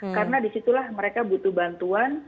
karena disitulah mereka butuh bantuan